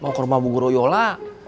mau ke rumah bu groyola